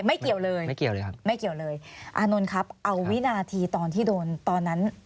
เกี่ยวเลยไม่เกี่ยวเลยครับไม่เกี่ยวเลยอานนท์ครับเอาวินาทีตอนที่โดนตอนนั้น